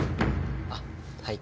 あっはい。